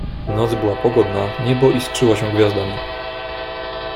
"Noc była pogodna, niebo iskrzyło się gwiazdami."